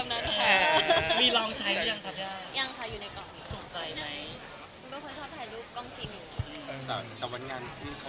แต่ที่ผ่านมาแม่ก็แบบมีความเชียร์มาโดยตลอดกระทั่งเนี้ย